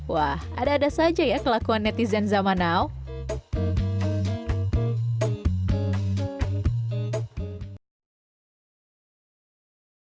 wah ada ada saja ya kelakuan netizen zaman now